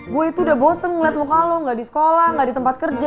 gue itu udah bosen ngeliat muka lo ga di sekolah ga di tempat kerja